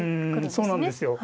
そうなんですよ。